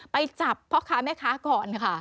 ไปจับค้าแม่ค้าก่อน